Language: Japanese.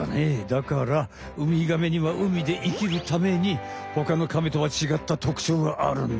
だからウミガメには海で生きるために他のカメとは違った特徴があるんだよ。